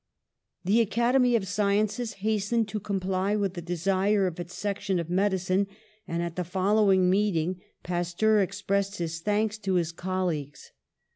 The Academy of Sciences hastened to com ply with the desire of its section of medicine, and at the following meeting Pasteur expressed his thanks to his colleagues.